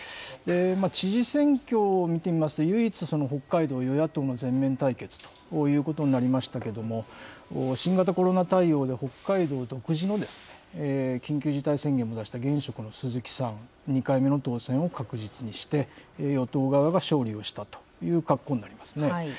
知事選挙を見てみますと、唯一、北海道、与野党の全面対決ということになりましたけれども、新型コロナ対応で北海道独自の緊急事態宣言も出した現職の鈴木さん、２回目の当選を確実にして、与党側が勝利をしたという格好になりますね。